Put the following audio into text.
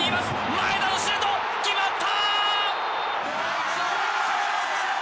前田のシュート、決まった。